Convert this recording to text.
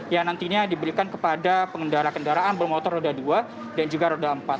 yang nantinya diberikan kepada pengendara kendaraan bermotor roda dua